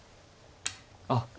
あっ。